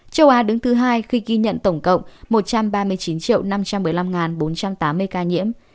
châu á đứng thứ hai khi ghi nhận tổng cộng một trăm ba mươi chín năm trăm một mươi năm bốn trăm tám mươi ca nhiễm